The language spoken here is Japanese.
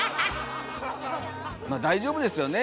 まあ大丈夫ですよね。